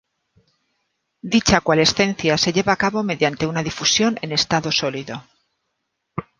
Dicha coalescencia se lleva a cabo mediante una difusión en estado sólido.